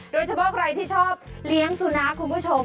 โดยเฉพาะใครที่ชอบเลี้ยงสุนัขคุณผู้ชม